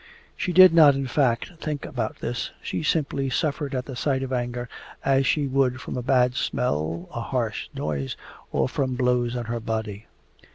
She did not in fact think about this: she simply suffered at the sight of anger as she would from a bad smell, a harsh noise, or from blows on her body.